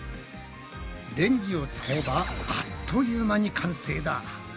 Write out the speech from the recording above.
レンジを使えばあっという間に完成だ！